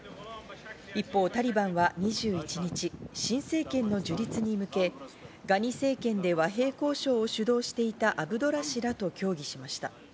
一方、タリバンは２１日、新政権の樹立に向け、ガニ政権で和平交渉を主導していたアブドラ氏らと協議しました。